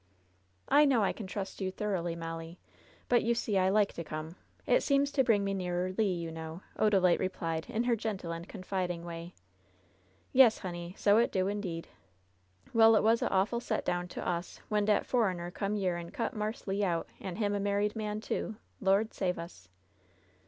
'' "I know I can trust you thoroughly, Molly, but you see I like to come. It seems to bring me nearer Le, you know," Odalite replied, in her gentle and confiding way. "Yes, honey, so it do, indeed. Well, it was a awful set down to us Ven dat forriner come yere an' cut Marse Le out, an' him a married man, too. Lord save us